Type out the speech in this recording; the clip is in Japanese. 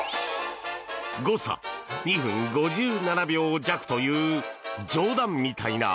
誤差２分５７秒弱という冗談みたいな